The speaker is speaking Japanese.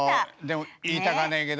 でも言いたかねえけど。